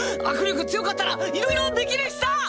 握力強かったらいろいろできるしさ！